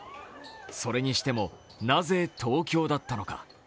それにしてもなぜ東京だったのか。